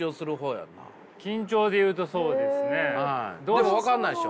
でも分からないっしょ？